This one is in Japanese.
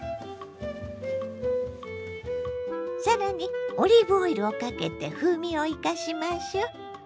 さらにオリーブオイルをかけて風味を生かしましょ。